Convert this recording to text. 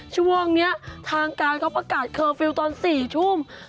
ช่วงนี้ทางการเขาประกาศเคอร์ฟิลล์ตอน๔ทุ่ม